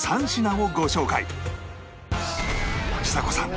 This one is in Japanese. ちさ子さん